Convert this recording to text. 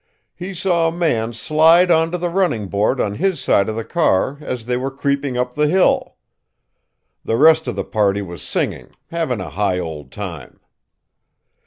He saw a man slide on to the running board on his side of the car as they were creeping up the hill. The rest of the party was singing, having a high old time.